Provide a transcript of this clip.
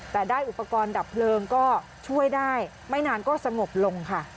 แต่ได้อุปกรณ์ดับเพลิงก็ช่วยได้ไม่นานก็สงบลงค่ะ